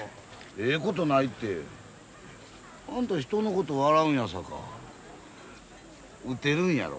ええことないて。あんた人のこと笑うんやさか打てるんやろ？